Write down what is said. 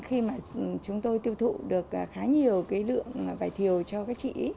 khi mà chúng tôi tiêu thụ được khá nhiều cái lượng vải thiều cho các chị